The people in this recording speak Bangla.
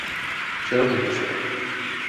সেরকম কিছু নয়।